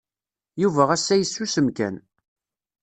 Yuba assa yessusem kan.